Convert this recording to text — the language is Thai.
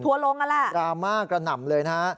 ทัวร์ล้มอะล่ะดราม่ากระหน่ำเลยนะฮะ